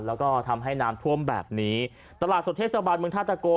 แล้วก็ทำให้น้ำท่วมแบบนี้ตลาดสดเทศบาลเมืองท่าตะโก